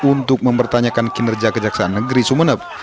untuk mempertanyakan kinerja kejaksaan negeri sumeneb